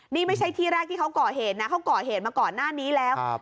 นี่ไม่ใช่ที่แรกที่เขาก่อเหตุนะเขาก่อเหตุมาก่อนหน้านี้แล้ว